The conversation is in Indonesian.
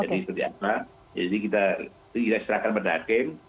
jadi seperti apa jadi kita serahkan pada hakim